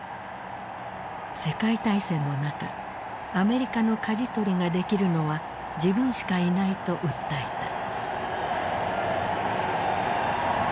世界大戦の中アメリカのかじ取りができるのは自分しかいないと訴えた。